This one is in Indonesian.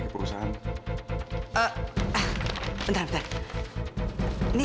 kemal uang toko untuk mereka mes nanti